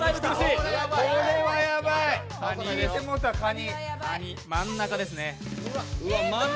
かに、真ん中ですね。